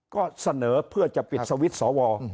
ก็เสนอเพื่อจะปิดสวิตช์สว